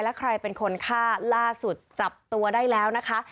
และใครเป็นคนฆ่าล่าสุดจับตัวได้แล้วนะคะ